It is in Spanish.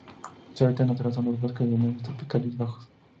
Su hábitat natural son los bosques húmedos tropicales bajos.